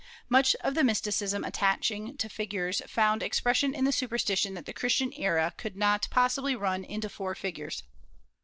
Much of the mysticism attach ing to figures found expression in the superstition that the Christian era could not possibly run into four figures.